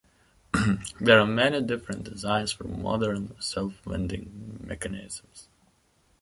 There are many different designs for modern self-winding mechanisms.